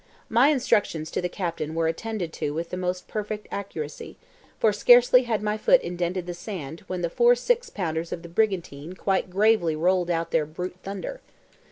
My instructions to the captain were attended to with the most perfect accuracy, for scarcely had my foot indented the sand when the four six pounders of the brigantine quite gravely rolled out their brute thunder.